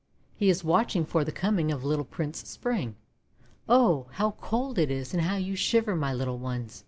He is watching for the coming of little Prince Spring. Oh! how cold it is and how you shiver, my little ones!'